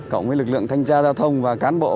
cộng với lực lượng thanh tra giao thông và cán bộ